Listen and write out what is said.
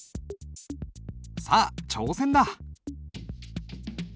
さあ挑戦だ。